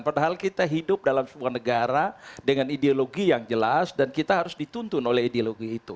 padahal kita hidup dalam sebuah negara dengan ideologi yang jelas dan kita harus dituntun oleh ideologi itu